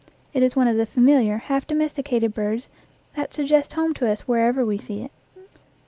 It is one of the familiar, half domesticated birds that suggest home to us wher ever we see it.